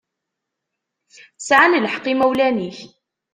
Sεan lḥeqq yimawlan-ik.